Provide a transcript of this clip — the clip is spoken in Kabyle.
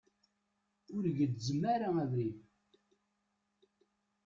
Ur gezzem ara abrid.